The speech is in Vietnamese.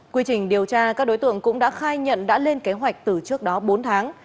quy trình điều tra các đối tượng cũng đã khai nhận đã lên kế hoạch từ trước đó bốn tháng